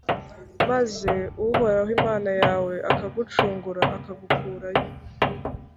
maze uhoraho imana yawe akagucungura, akagukurayo.